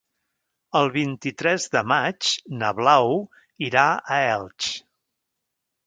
El vint-i-tres de maig na Blau irà a Elx.